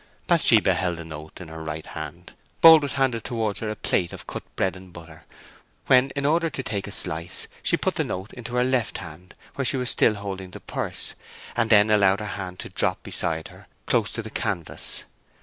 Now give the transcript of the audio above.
Bathsheba held the note in her right hand. Boldwood handed towards her a plate of cut bread and butter; when, in order to take a slice, she put the note into her left hand, where she was still holding the purse, and then allowed her hand to drop beside her close to the canvas.